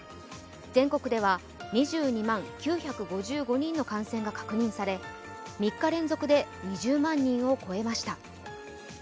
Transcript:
全国では２２万９５５人の感染が確認され３日連続で２０万人を超えました。